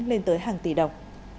lên tới hàng tỷ đồng